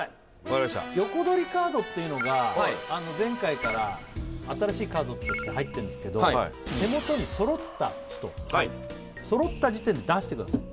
はい横取りカードっていうのがあの前回から新しいカードとして入ってるんですけど手元に揃った人はい揃った時点で出してください